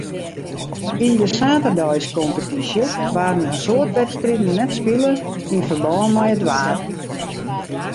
Yn de saterdeiskompetysje waarden in soad wedstriden net spile yn ferbân mei it waar.